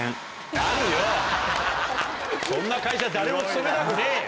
そんな会社誰も勤めたくねえよ。